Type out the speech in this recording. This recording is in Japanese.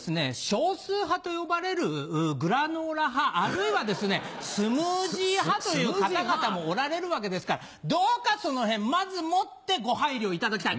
少数派と呼ばれるグラノーラ派あるいはスムージー派という方々もおられるわけですからどうかその辺まずもってご配慮をいただきたい。